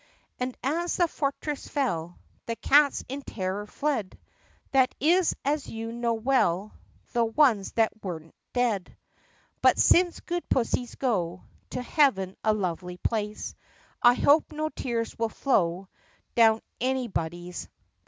And as the fortress fell The cats in terror fled, That is, as you know well. The ones that were n't dead. (But since good pussies go To heaven, a lovely place, I hope no tears will flow Down anybody's face.)